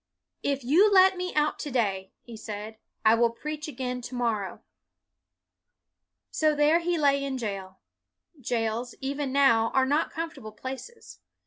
" If you let me out to day," he said, " I will preach again to morrow.'' So there he lay in jail. Jails, even now, are not comfortable places.